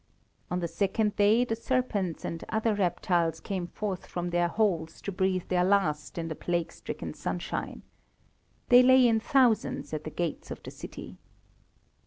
On the second day the serpents and other reptiles came forth from their holes to breathe their last in the plague stricken sunshine. They lay in thousands at the gates of the city.